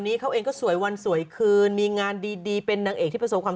เขาเองก็สวยวันสวยคืนมีงานดีเป็นนางเอกที่ประสบความ